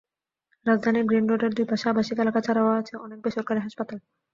রাজধানীর গ্রিন রোডের দুই পাশে আবাসিক এলাকা ছাড়াও আছে অনেক বেসরকারি হাসপাতাল।